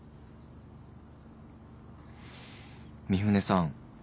三船さん